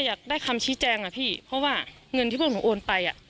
อยากได้คำชี้แจงอะพี่เพราะว่าเงินที่พวกหนูโอนไปอ่ะ